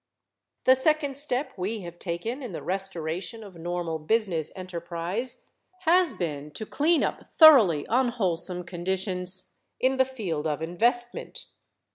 The second step we have taken in the restoration of normal business enterprise has been to clean up thoroughly unwholesome conditions in the field of investment.